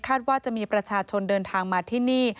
ว่าจะมีประชาชนเดินทางมาที่นี่